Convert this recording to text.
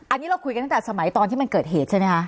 อันนี้เราคุยกันตั้งแต่สมัยตอนที่มันเกิดเหตุใช่ไหมคะ